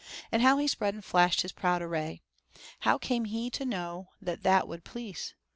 And how he spread and flashed his proud array! How came he to know that that would please?